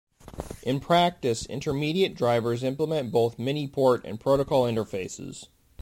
In practice, intermediate drivers implement both miniport and protocol interfaces.